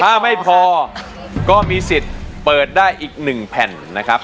ถ้าไม่พอก็มีสิทธิ์เปิดได้อีกหนึ่งแผ่นนะครับ